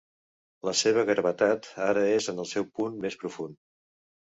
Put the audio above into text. La seva gravetat ara és en el seu punt més profund.